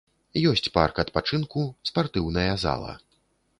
Ёсць парк адпачынку, спартыўная зала.